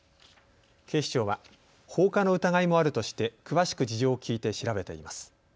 警視庁は放火の疑いもあるとして詳しく事情を聞いて調べています。